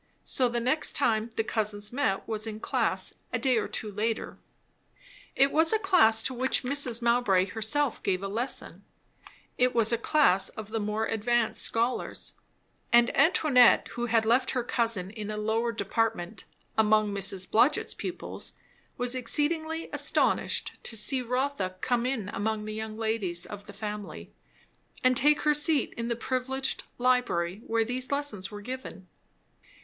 So the next time the cousins met was in class, a day or two later. It was a class to which Mrs. Mowbray herself gave a lesson; it was a class of the more advanced scholars; and Antoinette, who had left her cousin in a lower department, among Miss Blodgett's pupils, was exceedingly astonished to see Rotha come in among the young ladies of the family and take her seat in the privileged library where these lessons were given.